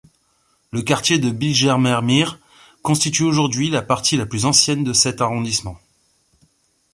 Le quartier de Bijlmermeer constitue aujourd'hui la partie la plus ancienne de cet arrondissement.